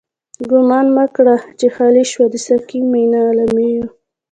گومان مکړه چی خالی شوه، د ساقی مینا له میو